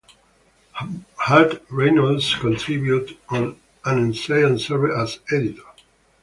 Hutt, Reynolds contributed an essay and served as editor.